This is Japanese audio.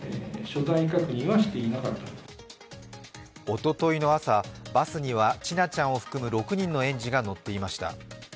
おとといの朝、バスには千奈ちゃんを含む６人の園児が乗っていました。